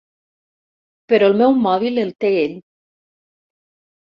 Però el meu mòbil el té ell.